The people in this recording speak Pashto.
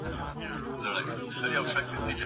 دا ليک له هغه ښه دی!!